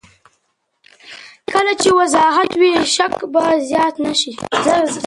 کله چې وضاحت وي، شک به زیات نه شي.